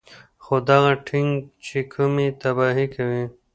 خو دغه ټېنک چې کومې تباهۍ کوي